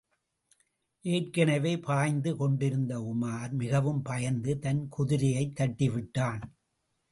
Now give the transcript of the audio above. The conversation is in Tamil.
ஏற்கெனவே பயந்து கொண்டிருந்த உமார், மிகவும் பயந்து தன் குதிரையைத் தட்டிவிட்டான்.